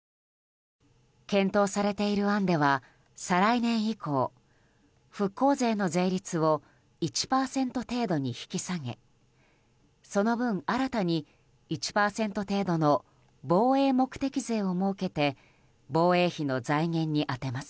検討されている案では再来年以降復興税の税率を１％程度に引き下げその分新たに１％程度の防衛目的税を設けて防衛費の財源に充てます。